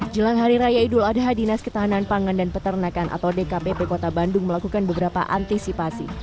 jelang hari raya idul adha dinas ketahanan pangan dan peternakan atau dkpp kota bandung melakukan beberapa antisipasi